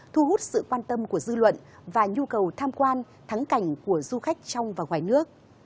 thu hút sự quan tâm của dư luận và nhu cầu tham quan thắng cảnh của du khách trong và ngoài nước